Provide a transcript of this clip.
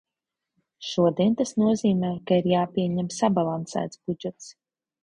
Šodien tas nozīmē, ka ir jāpieņem sabalansēts budžets.